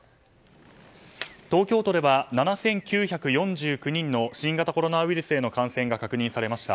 東京都では７９４９人の新型コロナウイルスへの感染が確認されました。